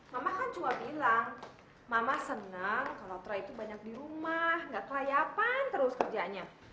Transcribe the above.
mama kan cuma bilang mama senang kalau trade itu banyak di rumah nggak kelayapan terus kerjanya